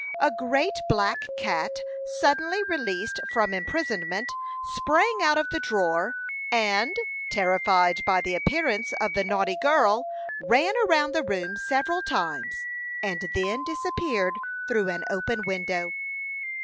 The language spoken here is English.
A great black cat, suddenly released from imprisonment, sprang out of the drawer, and, terrified by the appearance of the naughty girl, ran around the room several times, and then disappeared through an open window.